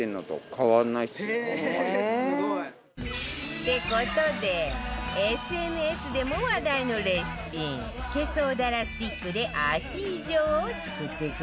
って事で ＳＮＳ でも話題のレシピスケソウダラスティックでアヒージョを作っていくわよ